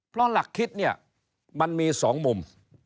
เพราะหลักคิดเนี่ยมันมี๒มุม